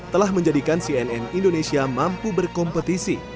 telah menjadikan cnn indonesia mampu berkompetisi